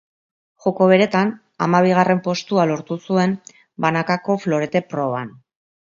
Joko beretan, hamabigarren postua lortu zuen banakako florete proban.